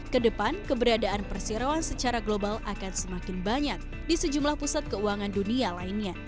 kedepan keberadaan perseroan secara global akan semakin banyak di sejumlah pusat keuangan dunia lainnya